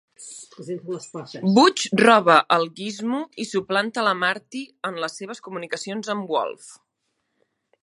Butch roba el Gizmo i suplanta la Marty en les seves comunicacions amb Wolfe.